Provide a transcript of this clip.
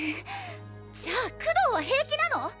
じゃあクドーは平気なの？